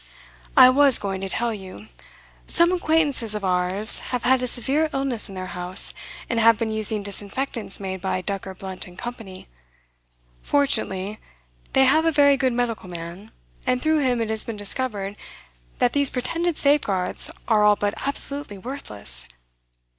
'I was going to tell you. Some acquaintances of ours have had a severe illness in their house, and have been using disinfectants made by Ducker, Blunt & Co. Fortunately they have a very good medical man, and through him it has been discovered that these pretended safeguards are all but absolutely worthless.